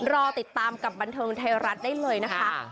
รอติดตามกับบันเทิงไทยรัฐได้เลยนะคะ